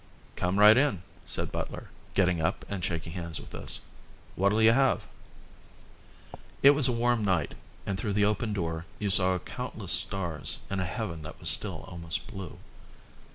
"Come right in," said Butler, getting up and shaking hands with us. "What'll you have?" It was a warm night, and through the open door you saw countless stars in a heaven that was still almost blue.